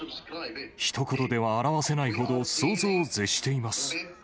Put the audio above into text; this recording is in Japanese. ひと言では表せないほど、想像を絶しています。